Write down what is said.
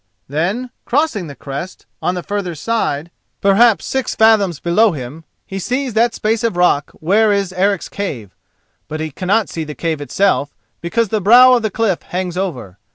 Then, crossing the crest, on the further side, perhaps six fathoms below him, he sees that space of rock where is Eric's cave; but he cannot see the cave itself, because the brow of the cliff hangs over.